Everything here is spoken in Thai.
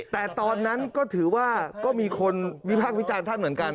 แต่ตอนนั้นก็ถือว่าก็มีคนวิพากษ์วิจารณ์ท่านเหมือนกัน